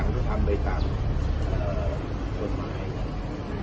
คนที่ปิดวิจาร์เปลี่ยนแปลงระบบการถูกรอบในอินทราบ